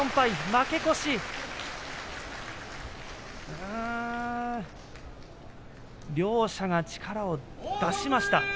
負け越し。両者が力を出しました。